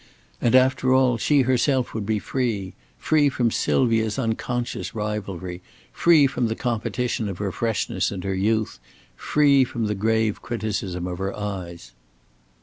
And, after all, she herself would be free free from Sylvia's unconscious rivalry, free from the competition of her freshness and her youth, free from the grave criticism of her eyes.